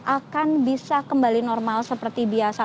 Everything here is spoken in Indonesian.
akan bisa kembali normal seperti biasa